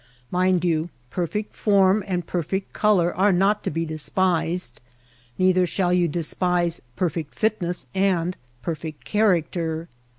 Mind you, perfect form and perfect color are not to be despised ; neither shall you despise perfect fitness and perfect character.